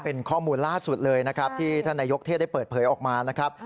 เป็นข้อมูลล่าสุดเลยนะครับที่ท่านนายกเทศได้เปิดเผยออกมานะครับ